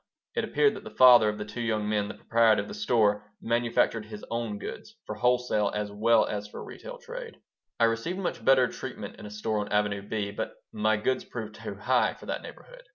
It appeared that the father of the two young men, the proprietor of the store, manufactured his own goods, for wholesale as well as for retail trade I received much better treatment in a store on Avenue B, but my goods proved too high for that neighborhood.